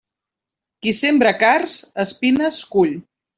Qui sembra cards, espines cull.